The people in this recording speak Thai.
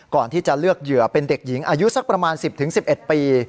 ก่อนที่จะเลือกเหยื่อเป็นเด็กหญิงอายุสักประมาณ๑๐๑๑ปี